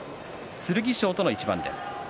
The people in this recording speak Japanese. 剣翔との一番です。